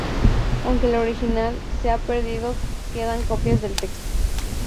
Aunque el original se ha perdido, quedan copias del texto.